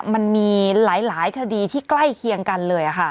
มันมีหลายคดีที่ใกล้เคียงกันเลยค่ะ